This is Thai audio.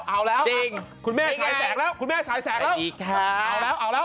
เอาแล้วคุณแม่ใช้แสงแล้ว